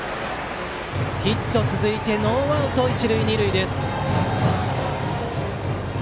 ヒットが続いてノーアウト、一塁二塁。